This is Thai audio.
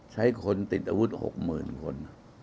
ใช้คนติดอาวุธ๖หมื่นคน